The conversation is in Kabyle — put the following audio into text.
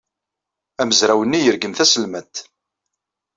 Amezraw-nni yergem taselmadt.